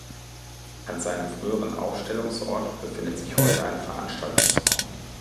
An seinem früheren Aufstellungsort befindet sich heute ein Veranstaltungsraum.